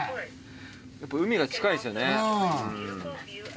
やっぱ海が近いですよね。